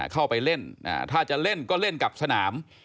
เข้าไปเล่นถ้าจะเล่นก็เล่นกับสนาม